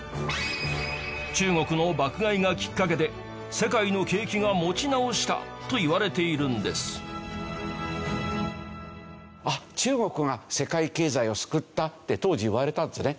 中国の爆買いがきっかけで世界の景気が持ち直したといわれているんですって当時言われたんですね。